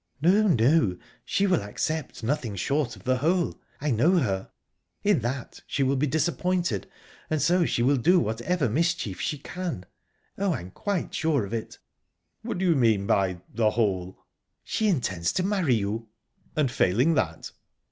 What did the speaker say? "No, no; she will accept nothing short of the whole I know her. In that she will be disappointed, and so she will do whatever mischief she can. Oh, I'm quite sure of it." "What do you mean by 'the whole'?" "She intends to marry you." "And failing that?..."